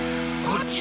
こっち！